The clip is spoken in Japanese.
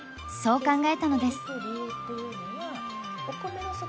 そう考えたのです。